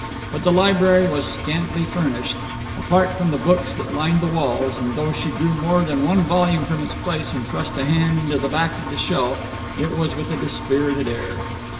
But the library was scantily furnished, apart from the books that lined the walls, and though she drew more than one volume from its place, and thrust a hand into the back of the shelf, it was with a dispirited air.